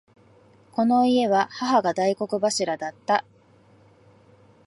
この家は母が大黒柱だった。